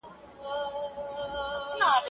دا موضوع ډېر علمي بحثونه غواړي.